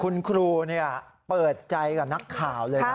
คุณครูเนี่ยเปิดใจกับนักข่าวเลยนะครับ